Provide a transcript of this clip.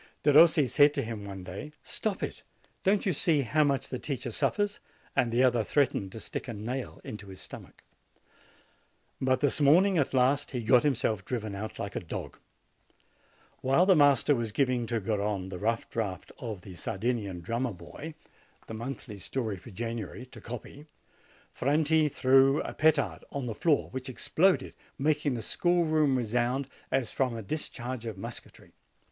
Derossi said to him one day, "Stop it! don't you see how much the teacher suffers?" and the other threatened to stick a nail into his stomach. But this morning, at last, he got himself driven out like a dog. While the master was giving to Garrone the rough draft of The Sardinian Drummer Boy, the FRANTI EXPELLED FROM SCHOOL 97 monthly story for January, to copy, Franti threw a petard on the floor, which exploded, making the school room resound as from a discharge of musketry.